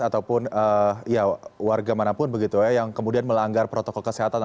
ataupun warga manapun yang kemudian melanggar protokol kesehatan